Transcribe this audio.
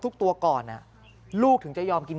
เพราะคนที่เป็นห่วงมากก็คุณพ่อคุณแม่ครับ